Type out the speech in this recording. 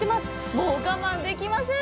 もう我慢できません！